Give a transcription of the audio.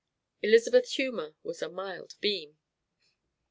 Elizabeth's humor was a mild beam.